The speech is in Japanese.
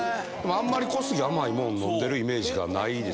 あんまり小杉甘いもん飲んでるイメージがないですけど。